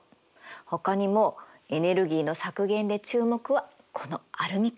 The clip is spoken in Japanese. ほかにもエネルギーの削減で注目はこのアルミ缶。